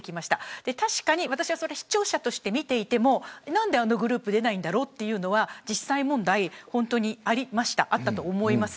確かに、私は視聴者として見ていても何であのグループ出ないんだろうというのは実際問題、本当にありましたあったと思います。